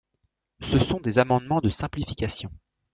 Ce sont des amendements de simplification.